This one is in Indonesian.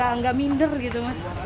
enggak minder gitu mas